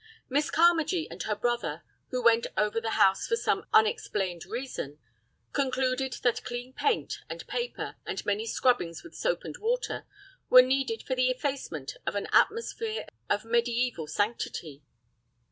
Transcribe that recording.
Miss Carmagee and her brother, who went over the house for some unexplained reason, concluded that clean paint and paper, and many scrubbings with soap and water, were needed for the effacement of an atmosphere of mediæval sanctity.